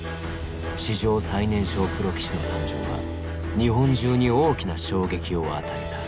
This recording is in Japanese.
史上最年少プロ棋士の誕生は日本中に大きな衝撃を与えた。